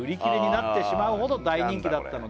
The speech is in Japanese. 「なってしまうほど大人気だったので」